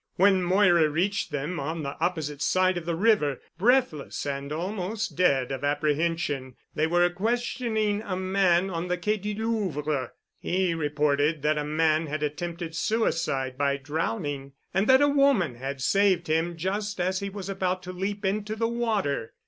When Moira reached them on the opposite side of the river, breathless and almost dead of apprehension, they were questioning a man on the Quai du Louvre. He reported that a man had attempted suicide by drowning and that a woman had saved him just as he was about to leap into the water.